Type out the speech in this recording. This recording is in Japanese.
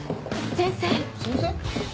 先生？